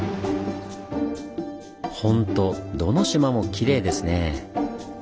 ほんとどの島もきれいですねぇ。